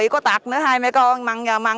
có tạc nữa hai mẹ con mặn nhờ mặn